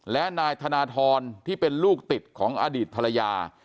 และนายธนทรที่เป็นลูกติดของอดีตภรรยา